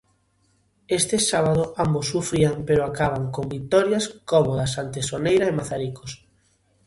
Este sábado ambos sufrían pero acaban con vitorias cómodas ante Soneira e Mazaricos.